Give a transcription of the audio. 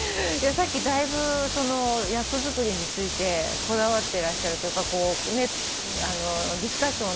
さっきだいぶ役作りについてこだわってらっしゃるというかディスカッション